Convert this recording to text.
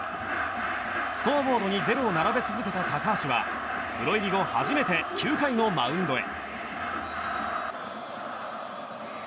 スコアボードにゼロを並び続けた高橋はプロ入り後初めて９回もマウンドへ。